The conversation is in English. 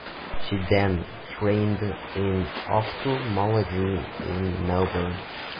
She then trained in ophthalmology in Melbourne.